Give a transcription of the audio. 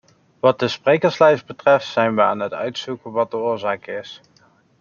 Wat de sprekerslijst betreft zijn we aan het uitzoeken wat de oorzaak is.